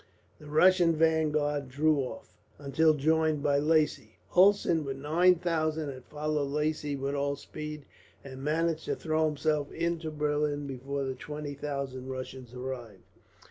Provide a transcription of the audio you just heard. The Russian vanguard drew off, until joined by Lacy. Hulsen, with nine thousand, had followed Lacy with all speed; and managed to throw himself into Berlin before the twenty thousand Russians arrived.